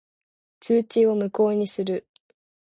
通知を無効にする。